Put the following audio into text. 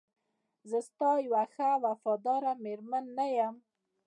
زه ستا یوه ښه او وفاداره میرمن نه یم؟